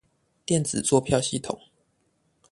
電子作票系統